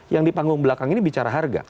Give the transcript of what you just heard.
yang di panggung belakang ini bicara harga